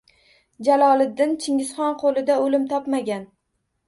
Jaloliddin Chingizxon qo‘lida o‘lim topmagan.